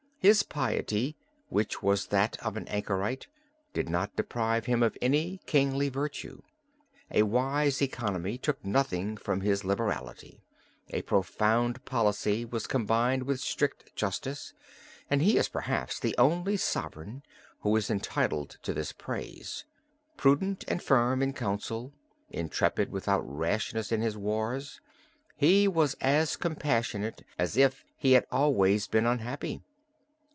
His piety which was that of an anchorite, did not deprive him of any kingly virtue. A wise economy took nothing from his liberality. A profound policy was combined with strict justice and he is perhaps the only sovereign who is entitled to this praise; prudent and firm in counsel, intrepid without rashness in his wars, he was as compassionate as if he had always been unhappy.